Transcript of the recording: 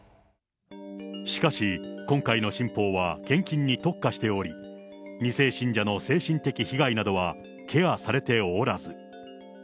しかし、今回の新法は献金に特化しており、２世信者の精神的被害などはケアされておらず。